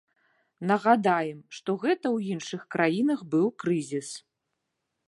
Нагадаем, што гэта ў іншых краінах быў крызіс.